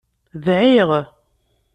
Dɛiɣ.